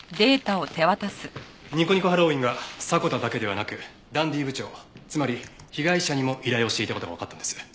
にこにこハロウィーンが迫田だけではなくダンディー部長つまり被害者にも依頼をしていた事がわかったんです。